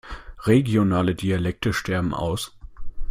Regionale Dialekte sterben aus.